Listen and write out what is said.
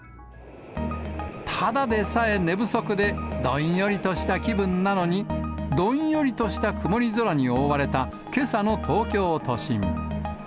ただでさえ寝不足でどんよりとした気分なのに、どんよりとした曇り空に覆われた、けさの東京都心。